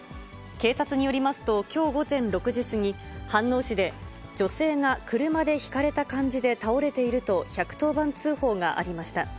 警察によりますと、きょう午前６時過ぎ、飯能市で、女性が車でひかれた感じで倒れていると、１１０番通報がありました。